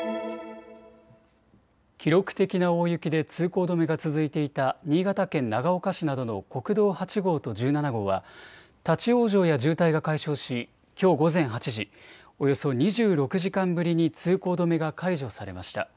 記録的な大雪で通行止めが続いていた新潟県長岡市などの国道８号と１７号は立往生や渋滞が解消しきょう午前８時、およそ２６時間ぶりに通行止めが解除されました。